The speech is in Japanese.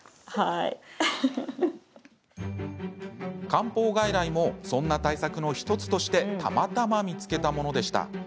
漢方外来もそんな対策の１つとしてたまたま見つけたものでした。